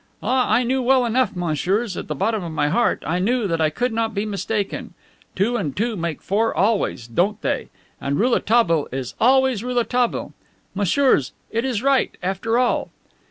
Ah, I knew well enough, messieurs, in the bottom of my heart I knew that I could not be mistaken. Two and two make four always, don't they? And Rouletabille is always Rouletabille. Messieurs, it is all right, after all."